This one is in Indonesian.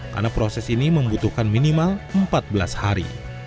karena proses ini membutuhkan minimal empat belas hari